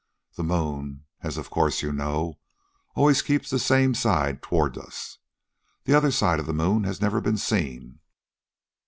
The moon, as of course you know, always keeps the same side toward us. The other side of the moon has never been seen.